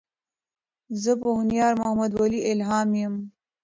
زۀ پوهنيار محمدولي الهام يم.